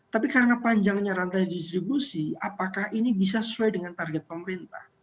tapi karena panjangnya rantai distribusi apakah ini bisa sesuai dengan target pemerintah